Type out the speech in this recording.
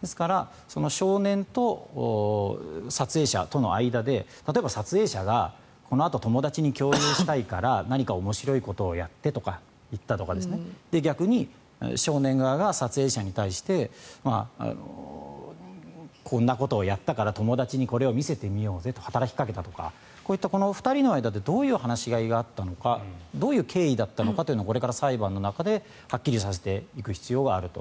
ですから、少年と撮影者との間で例えば撮影者がこのあと友達に共有したいから何か面白いことをやってとか言ったとか逆に少年側が撮影者に対してこんなことをやったから友達にこれを見せてみようぜと働きかけたとかこういった２人の間でどういう話し合いがあったのかどういう経緯だったのかというのがこれから裁判の中ではっきりさせていく必要があると。